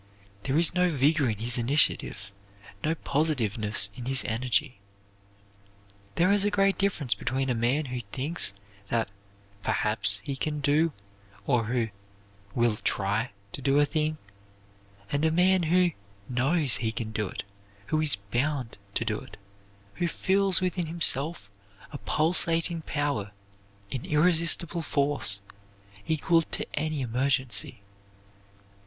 There is no vigor in his initiative, no positiveness in his energy. There is a great difference between a man who thinks that "perhaps" he can do, or who "will try" to do a thing, and a man who "knows" he can do it, who is "bound" to do it; who feels within himself a pulsating power, an irresistible force, equal to any emergency.